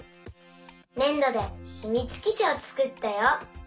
ねんどでひみつきちをつくったよ。